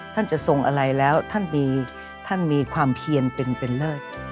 ท่านจะทรงอะไรแล้วท่านดีท่านมีความเพียรเป็นเลิศ